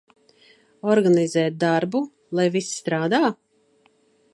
Organizēt darbu, lai viss strādā?